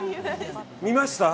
見ました？